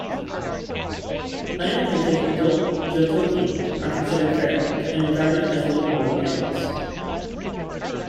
Unimprinted adult Jotoki are considered feral, and regarded as little more than animals.